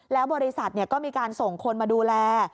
แล้วบริษัทก็มีการส่งคนมาดูแล